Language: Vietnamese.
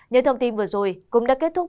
những thông tin vừa rồi cũng đã kết thúc